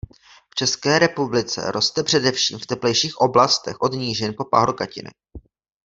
V České republice roste především v teplejších oblastech od nížin po pahorkatiny.